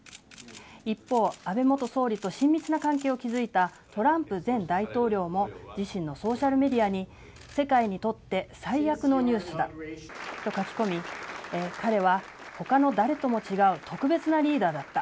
一方安倍元総理と親密な関係を築いたトランプ前大統領も自身のソーシャルメディアに世界にとって最悪のニュースだと書き込み彼は他の誰とも違う特別なリーダーだった。